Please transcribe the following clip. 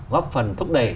góp phần thúc đẩy